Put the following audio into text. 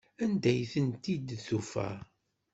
Anda ay tent-id-tufa?